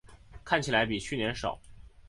看起来比去年少